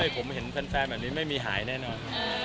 ผมเห็นแฟนแบบนี้ไม่มีหายแน่นอน